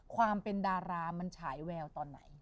ความเป็นดารามันฉายแววตอนไหน